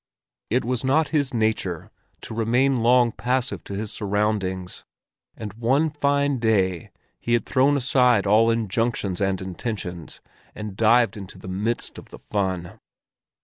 It was not his nature to remain long passive to his surroundings, and one fine day he had thrown aside all injunctions and intentions, and dived into the midst of the fun.